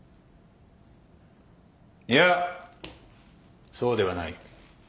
いやそうではない。